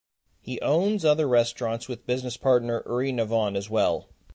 He owns other restaurants with business partner Uri Navon as well.